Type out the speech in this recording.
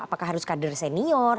apakah harus kader senior